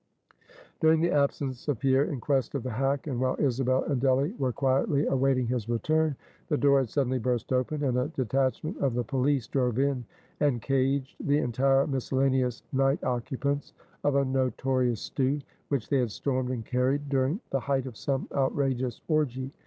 During the absence of Pierre in quest of the hack, and while Isabel and Delly were quietly awaiting his return, the door had suddenly burst open, and a detachment of the police drove in, and caged, the entire miscellaneous night occupants of a notorious stew, which they had stormed and carried during the height of some outrageous orgie.